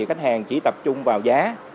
khách hàng chỉ tập trung vào giá